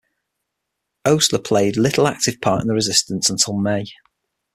Oastler played little active part in the resistance until May.